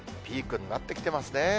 ピークになってきてますね。